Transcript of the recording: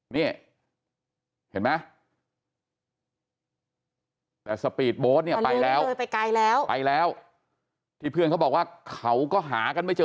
นี่เห็นไหมแต่สปีดโบ๊ทเนี่ยไปแล้วเลยไปไกลแล้วไปแล้วที่เพื่อนเขาบอกว่าเขาก็หากันไม่เจอ